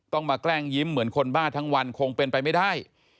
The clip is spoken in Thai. ต้องมาแกล้งยิ้มเหมือนคนบ้าทั้งวันคงเป็นไปไม่ได้